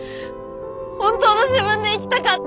本当の自分で生きたかった。